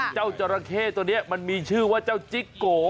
จราเข้ตัวนี้มันมีชื่อว่าเจ้าจิ๊กโก